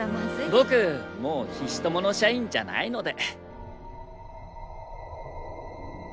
僕もう菱友の社員じゃないので。